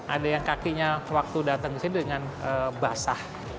ada yang kakinya waktu datang ke sini dengan basah